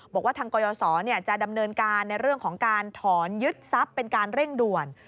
บอกว่าทางกยศจะดำเนินการในเรื่องของการถอนยึดทรัพย์เป็นการเร่งด่วน